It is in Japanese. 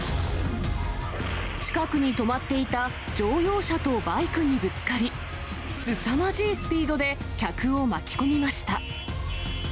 近くに止まっていた乗用車とバイクにぶつかり、すさまじいスピードで客を巻き込みました。